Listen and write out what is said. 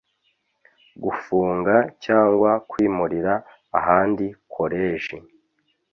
gufunga cyangwa kwimurira ahandi Koleji